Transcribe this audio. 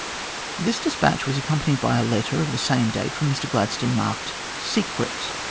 This despatch was accompanied by a letter of the same date from Mr Gladstone marked " Secret."